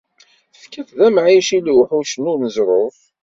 Tefkiḍ-t d amɛic i lewḥuc n uneẓruf.